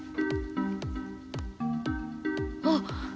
あっ！